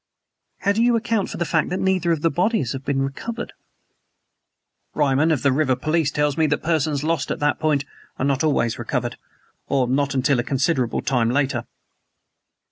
"But how do you account for the fact that neither of the bodies have been recovered?" "Ryman of the river police tells me that persons lost at that point are not always recovered or not until a considerable time later."